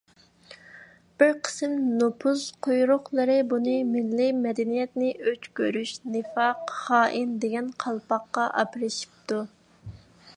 بىر قىسىم نوپۇز قۇيرۇقلىرى بۇنى مىللىي مەدەنىيەتنى ئۆچ كۆرۈش، نىفاق، خائىن دېگەن قالپاققا ئاپىرىشىپتۇ.